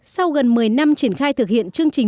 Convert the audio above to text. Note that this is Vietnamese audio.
sau gần một mươi năm triển khai thực hiện chương trình